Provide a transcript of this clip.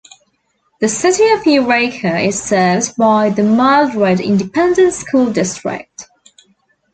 The City of Eureka is served by the Mildred Independent School District.